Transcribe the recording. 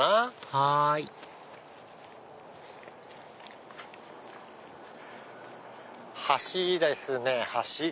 はい橋ですね橋。